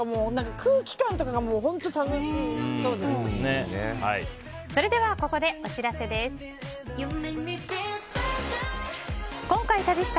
空気感とかが本当に楽しそうでした。